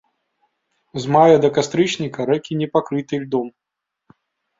З мая да кастрычніка рэкі не пакрыты льдом.